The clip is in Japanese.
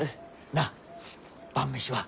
なあ晩飯は？